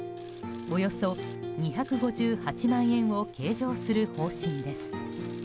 およそ２５８万円を計上する方針です。